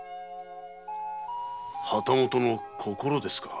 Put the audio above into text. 「旗本の心」ですか。